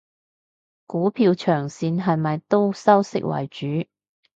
股票長線係咪都收息為主？